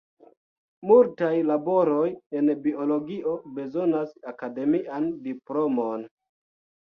Multaj laboroj en biologio bezonas akademian diplomon.